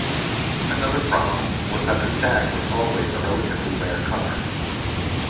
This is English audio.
Another problem was that the Stag was always a relatively rare car.